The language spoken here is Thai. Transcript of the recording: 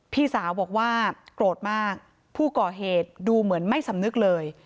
พี่สาวบอกว่าโกรธมากผู้ก่อเหตุดูเหมือนไม่สำนึกเลย